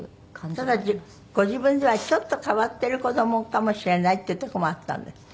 ただご自分ではちょっと変わってる子どもかもしれないっていうとこもあったんですって？